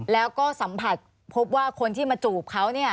แล้วก็สัมผัสพบว่าคนที่มาจูบเขา